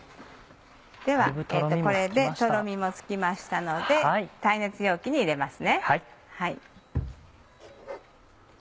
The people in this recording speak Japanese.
ではこれでとろみもつきましたので耐熱容器に入れます。